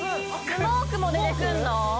スモークも出てくんの？